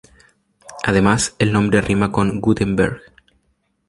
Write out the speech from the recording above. Además, el nombre rima con "Gutenberg".